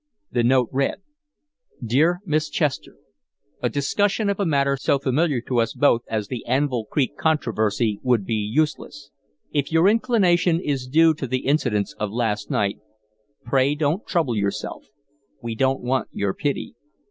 The note read: "DEAR MISS CHESTER, A discussion of a matter so familiar to us both as the Anvil Creek controversy would be useless. If your inclination is due to the incidents of last night, pray don't trouble yourself. We don't want your pity.